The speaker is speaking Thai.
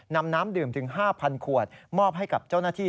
น้ำดื่มถึง๕๐๐ขวดมอบให้กับเจ้าหน้าที่